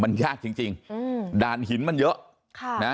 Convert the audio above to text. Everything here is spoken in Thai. มันยากจริงด่านหินมันเยอะ